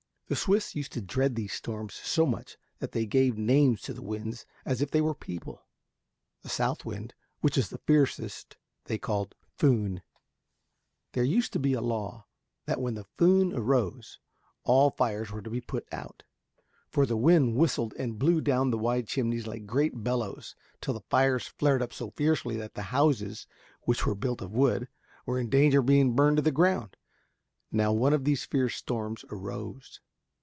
The Swiss used to dread these storms so much that they gave names to the winds as if they were people. The south wind, which is the fiercest, they called the Föhn. There used to be a law that when the Föhn arose, all fires were to be put out. For the wind whistled and blew down the wide chimneys like great bellows, till the fires flared up so fiercely that the houses, which were built of wood, were in danger of being burned to the ground. Now one of these fierce storms arose.